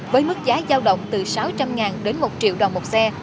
với mức giá giao động từ sáu trăm linh đến một triệu đồng một xe